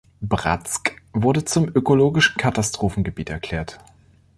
Bratsk wurde zum ökologischen Katastrophengebiet erklärt.